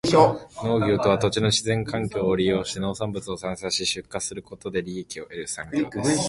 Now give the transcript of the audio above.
農業とは、土地の自然環境を利用して農産物を生産し、出荷することで利益を得る産業です。